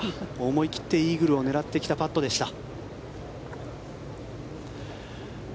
思い切ってイーグルを狙ってきたパットでした。